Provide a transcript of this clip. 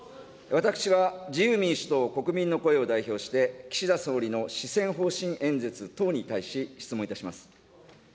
私は、自由民主党・国民の声を代表して、岸田総理の施政方針演説等に対し、質問いたします。